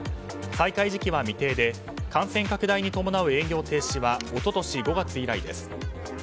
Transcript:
再開時期は未定で感染拡大に伴う営業停止は一昨年５月以来です。